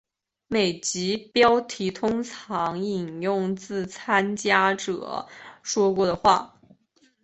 每集标题通常引用自参加者说过的话。